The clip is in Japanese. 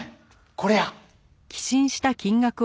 これや。